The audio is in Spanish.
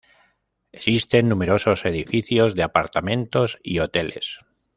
Existen numerosos edificios de apartamentos y hoteles.